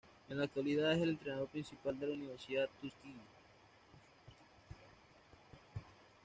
En la actualidad es el entrenador principal de la Universidad Tuskegee.